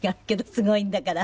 すごいんだから。